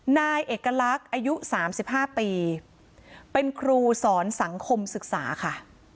นายเอกลักษณ์อายุ๓๕ปีเป็นครูสอนสังคมศึกษาค่ะ